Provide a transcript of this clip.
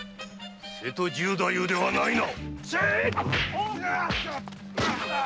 瀬戸十太夫ではないな？